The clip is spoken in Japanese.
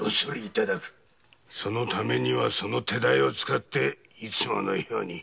そのためにはその手代を使っていつものように。